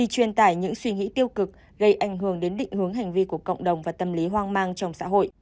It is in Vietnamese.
đến định hướng hành vi của cộng đồng và tâm lý hoang mang trong xã hội